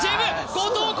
後藤弘